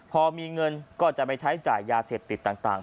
พอมีเงินก็จะไปใช้จ่ายยาเสพติดต่าง